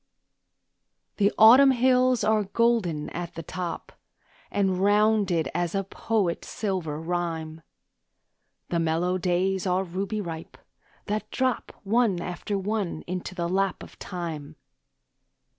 The Autumn hills are golden at the top, And rounded as a poet's silver rhyme; The mellow days are ruby ripe, that drop One after one into the lap of time.